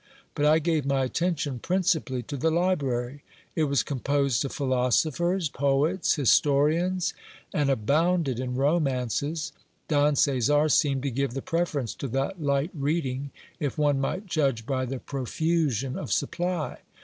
But I gave my attention principally t3 the library. It was composed of philosophers, poets, historians; and abounded in romances. Don Caesar seemed to give the preference to that lght reading, if one might judge by the profusion of supply.